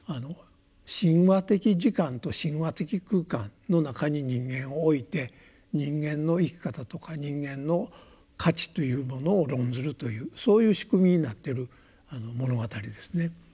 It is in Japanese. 神話的時間と神話的空間の中に人間を置いて人間の生き方とか人間の価値というものを論ずるというそういう仕組みになっている物語ですね。